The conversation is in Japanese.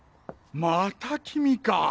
また君か。